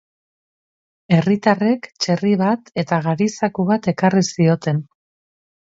Herritarrek txerri bat eta gari-zaku bat ekarri zioten.